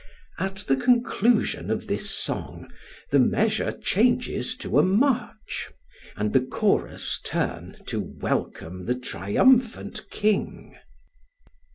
At the conclusion of this song the measure changes to a march, and the chorus turn to welcome the triumphant king.